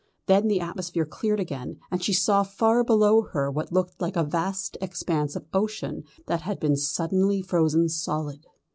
Then the atmosphere cleared again, and she saw far below her what looked like a vast expanse of ocean that had been suddenly frozen solid.